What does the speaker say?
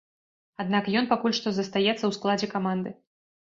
Аднак ён пакуль што застаецца ў складзе каманды.